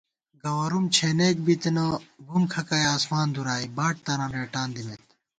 گوَرُوم چھېنېک بِتنہ، بُم کھکَئ آسمان دُرائے، باٹ تران رېٹان دِمېت